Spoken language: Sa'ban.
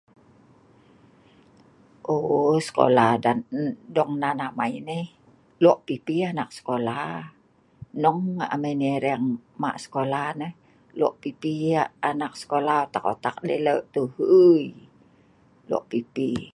Oo ohh skola adat dong nan amai nai, lok pipi anak skola, nong amai nai ereng ma' skola nah, lok pipi yak anak skola, otak otak deh lok tau, huiii..lok pipi